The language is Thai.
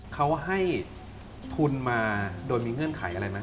เขาให้ทุนมาโดยมีเงื่อนไขอะไรไหม